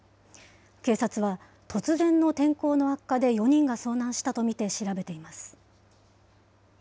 警察は突然の天候の悪化で４人が遭難したと見て調べています。